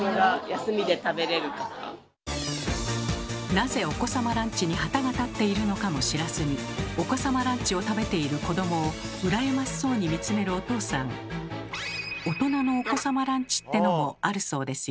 なぜお子様ランチに旗が立っているのかも知らずにお子様ランチを食べている子どもを羨ましそうに見つめるお父さん大人のお子様ランチってのもあるそうですよ。